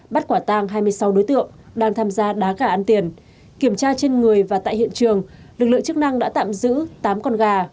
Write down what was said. bắt quả tang hai mươi sáu đối tượng đang tham gia đá gà ăn tiền kiểm tra trên người và tại hiện trường lực lượng chức năng đã tạm giữ tám con gà